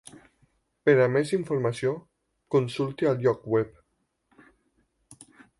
Per a més informació consulti el lloc web.